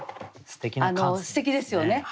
すてきですよね。